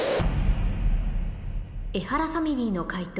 エハラファミリーの解答